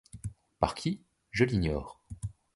Par qui ?… je l’ignore.